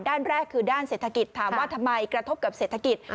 ด้านแรกคือด้านเศรษฐกิจถามว่าทำไมกระทบกับเศรษฐกิจ